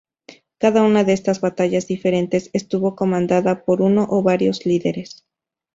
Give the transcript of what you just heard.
Cada una de estas batallas diferentes estuvo comandada por uno o varios líderes.